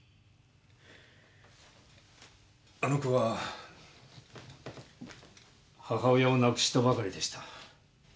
あの子は母親を亡くしたばかりでした。